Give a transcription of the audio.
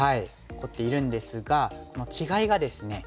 残っているんですが違いがですね